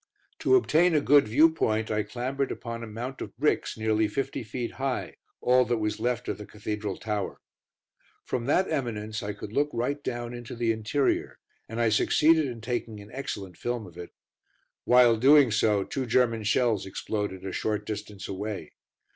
To obtain a good view point, I clambered upon a mount of bricks nearly fifty feet high, all that was left of the Cathedral Tower. From that eminence I could look right down into the interior, and I succeeded in taking an excellent film of it. While doing so, two German shells exploded a short distance away.